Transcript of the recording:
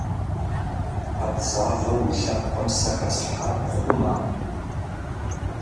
Къэбзагъэу уи лъэпкъым сэ хэслъхьар пхъума?